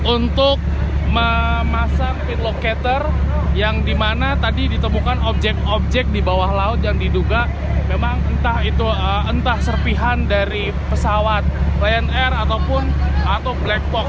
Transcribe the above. untuk memasang pit locator yang dimana tadi ditemukan objek objek di bawah laut yang diduga memang entah itu entah serpihan dari pesawat lion air ataupun atau black box